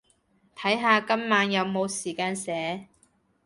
睇下今晚有冇時間寫